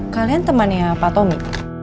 kalian temannya pak tommy